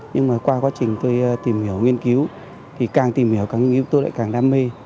nhưng mà qua quá trình tôi tìm hiểu nghiên cứu thì càng tìm hiểu càng nghiên tôi lại càng đam mê